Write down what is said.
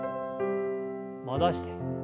戻して。